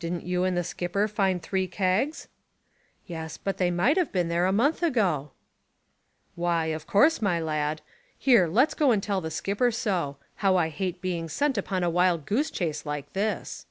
"Didn't you and the skipper find three kegs?" "Yes, but they might have been there a month ago." "Why, of course, my lad. Here, let's go and tell the skipper so. How I do hate being sent upon a wild goose chase like this!"